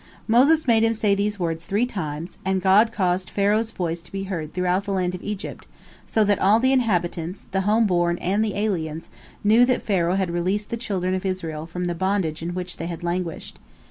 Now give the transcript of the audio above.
" Moses made him say these words three times, and God caused Pharaoh's voice to be heard throughout the land of Egypt, so that all the inhabitants, the home born and the aliens, knew that Pharaoh had released the children of Israel from the bondage in which they had languished.